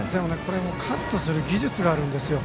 カットする技術があるんですよ